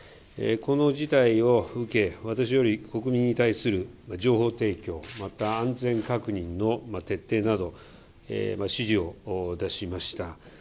この事態を受け、私より国民に対する情報提供、また安全確認の徹底など、指示を出しました。